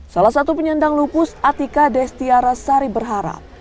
salah satu penyandang lupus atika destiara sari berharap